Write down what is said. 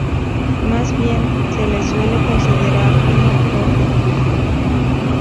Más bien, se le suele considerar un autor de culto.